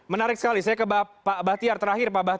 menarik sekali saya ke pak bahtiar terakhir